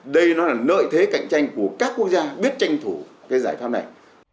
đây nó là nợ thế cạnh tranh của các quốc gia biết tranh thủ cái giải pháp này